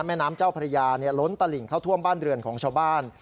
แม่น้ำเจ้าพระยาล้นตลิ่งเข้าท่วมบ้านเรือนของชาวบ้าน